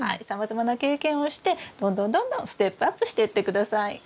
さまざまな経験をしてどんどんどんどんステップアップしていって下さい。